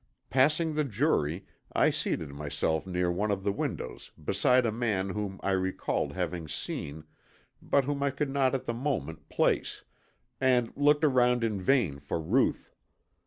Passing the jury I seated myself near one of the windows beside a man whom I recalled having seen, but whom I could not at the moment place, and looked around in vain for Ruth.